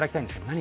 何？